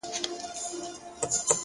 د زړه پاکوالی د فکر صفا زیاتوي؛